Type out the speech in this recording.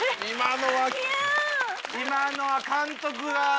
今のは。